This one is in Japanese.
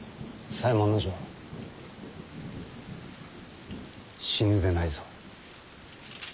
左衛門尉死ぬでないぞ。